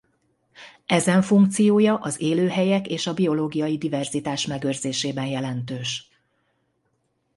Ezen funkciója az élőhelyek és a biológiai diverzitás megőrzésében jelentős.